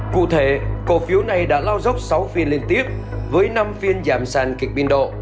cụ thể cổ phiếu này đã lao dốc sáu phiên liên tiếp với năm phiên giảm sàn kịch biên độ